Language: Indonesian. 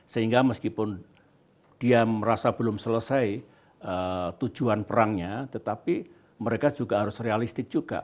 sehingga meskipun dia merasa belum selesai tujuan perangnya tetapi mereka juga harus realistik juga